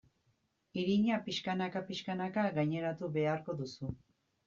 Irina pixkanaka-pixkanaka gaineratu beharko duzu.